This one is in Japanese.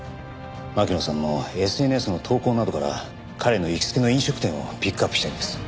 巻乃さんのＳＮＳの投稿などから彼の行きつけの飲食店をピックアップしたいんです。